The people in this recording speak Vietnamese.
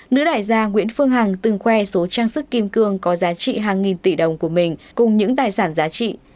nữ đại gia nguyễn phương hằng từng khoe số trang sức kim cương có giá trị hàng nghìn tỷ đồng của mình cùng những tài sản giá trị